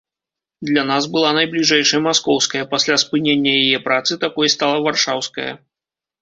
Для нас была найбліжэйшай маскоўская, пасля спынення яе працы такой стала варшаўская.